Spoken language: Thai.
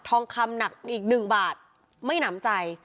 ทองคำหนักอีกหนึ่งบาทไม่หนำใจ